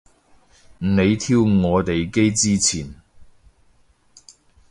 你挑我哋機之前